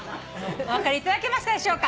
お分かりいただけましたでしょうか？